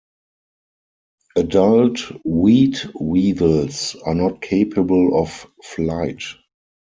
Adult wheat weevils are not capable of flight.